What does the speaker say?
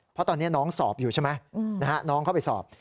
เพราะตอนนี้น้องสอบอยู่ใช่ไหมน้องเข้าไปสอบ